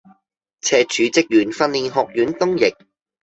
赤柱職員訓練學院東翼